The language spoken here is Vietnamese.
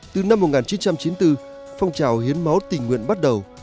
từ năm một nghìn chín trăm chín mươi bốn phong trào hiến máu tình nguyện bắt đầu